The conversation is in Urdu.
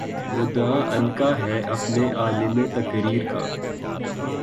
مدعا عنقا ہے اپنے عالم تقریر کا